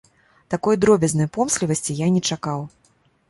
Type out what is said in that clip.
Такой дробязнай помслівасці я не чакаў.